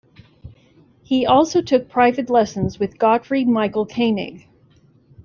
He also took private lessons with Gottfried Michael Koenig.